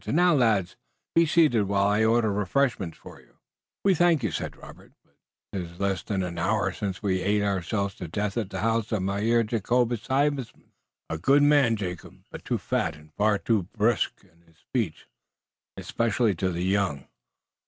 And now, lads, be seated, while I order refreshments for you." "We thank you, sir," said Robert, "but 'tis less than an hour since we almost ate ourselves to death at the house of Mynheer Jacobus Huysman." "A good man, Jacob, but too fat, and far too brusque in speech, especially to the young.